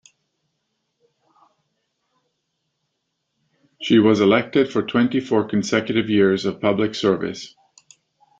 She was elected for twenty-four consecutive years of public service.